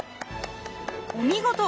お見事！